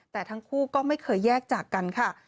แต่ทั้งคู่ก็ไม่เคยแยกจากกันค่ะ